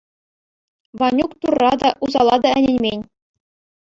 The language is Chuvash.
Ванюк Турра та, усала та ӗненмен.